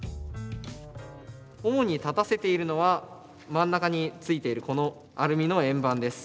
主に立たせているのは真ん中に付いているこのアルミの円盤です。